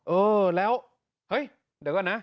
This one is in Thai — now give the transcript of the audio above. เออแล้วเฮ้ยเดี๋ยวก่อนนะ